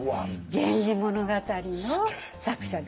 「源氏物語」の作者です。